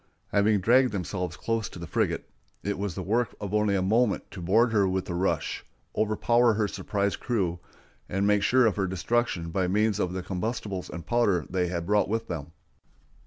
Having dragged themselves close to the frigate, it was the work of only a moment to board her with a rush, overpower her surprised crew, and make sure of her destruction by means of the combustibles and powder they had brought with them.